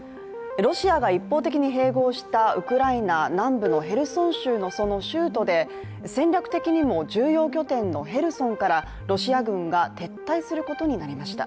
ロシアが一方的に併合したウクライナ南部のヘルソン州の州都で戦略的にも重要拠点のヘルソンからロシア軍が撤退することになりました。